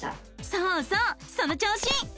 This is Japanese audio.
そうそうその調子！